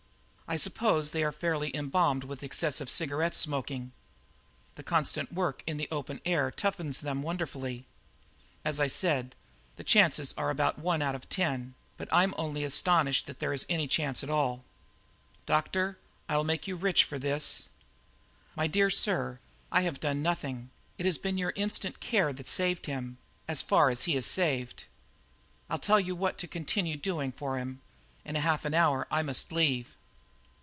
I suppose they are fairly embalmed with excessive cigarette smoking. The constant work in the open air toughens them wonderfully. As I said, the chances are about one out of ten, but I'm only astonished that there is any chance at all." "Doctor, I'll make you rich for this!" "My dear sir, I've done nothing; it has been your instant care that saved him as far as he is saved. I'll tell you what to continue doing for him; in half an hour I must leave."